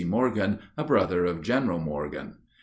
Morgan, a brother of General Morgan.